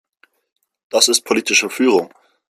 Das ist politische Führung.